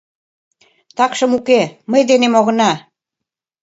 — Такшым уке, мый денем огына...